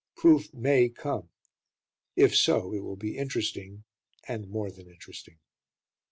Proof may come; if so, it will be interesting and more than interesting.